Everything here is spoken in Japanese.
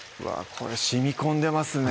これしみこんでますね